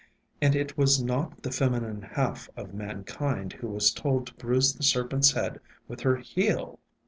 And it was not the feminine half of mankind who was told to bruise the serpent's head with her heel